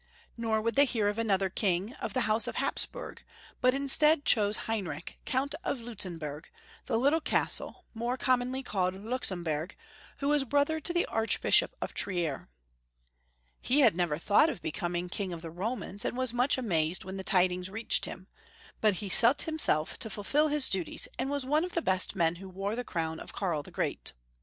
Nor would they hear of another king of the house of Hapsburg, but chose instead Heinrich, Count of Liitzenburg, the little castle, more com monly called Luxemburg, who was brother to the Archbishop of Trier. He had never thought of becoming King of the Romans, and was much amazed when the tidings reached him, but he set himself to fulfil liis duties, and was one of the best men who wore the crown of Karl the Great.